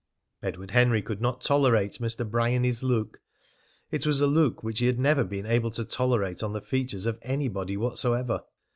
Edward Henry could not tolerate Mr. Bryany's look. It was a look which he had never been able to tolerate on the features of anybody whatsoever.